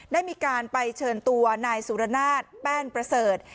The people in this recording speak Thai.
ได้มีการไปเชิญตัวนายสุรนาศแป้นประเสริฐ